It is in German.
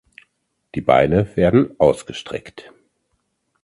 Die Beine werden ausgestreckt.